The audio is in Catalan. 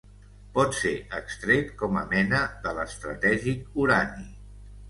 Pot ser extret com a mena de l'estratègic urani.